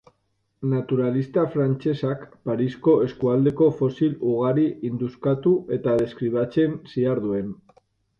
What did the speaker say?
Naturalista frantsesak Parisko eskualdeko fosil ugari induskatu eta deskribatzen ziharduen.